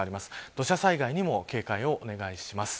土砂災害にも警戒をお願いします。